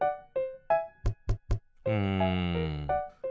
うん。